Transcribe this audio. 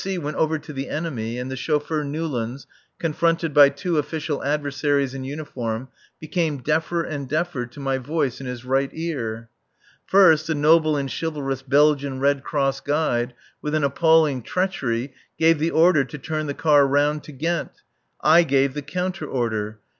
C went over to the enemy, and the chauffeur Newlands, confronted by two official adversaries in uniform, became deafer and deafer to my voice in his right ear. First, the noble and chivalrous Belgian Red Cross guide, with an appalling treachery, gave the order to turn the car round to Ghent. I gave the counter order.